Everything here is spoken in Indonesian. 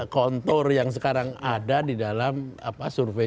kontor yang sekarang ada di dalam apa survei survei